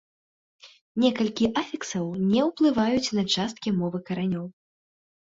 Некалькі афіксаў не ўплываюць на часткі мовы каранёў.